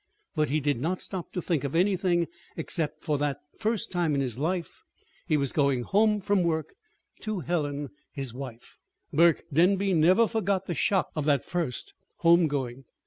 But he did not stop to think of anything except that for the first time in his life he was going home from work to Helen, his wife. Burke Denby never forgot the shock of that first home going.